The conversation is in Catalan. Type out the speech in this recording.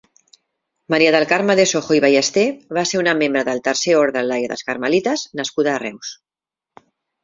Maria del Carme de Sojo i Ballester va ser una membre del tercer orde laic dels carmelites nascuda a Reus.